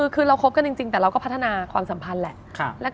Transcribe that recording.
คือเราคบกันจริงแต่เราก็พัฒนาความสัมพันธ์แหละ